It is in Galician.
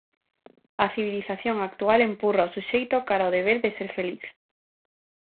A civilización actual empurra ao suxeito cara ao deber de ser feliz.